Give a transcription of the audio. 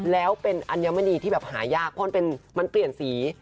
แล้วเป็นอัญมณีที่แบบหายากเพราะมันเปลี่ยนสี